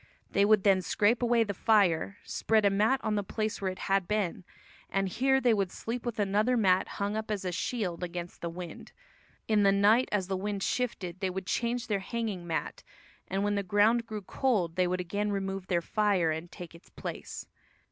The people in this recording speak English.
They would then scrape away the fire, spread a mat on the place where it had been, and here they would sleep with another mat hung up as a shield against the wind. In the night, as the wind shifted, they would change their hanging mat, and when the ground grew cold they would again remove their fire and take its place.